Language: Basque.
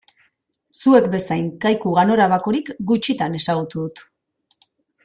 Zuek bezain kaiku ganorabakorik gutxitan ezagutu dut.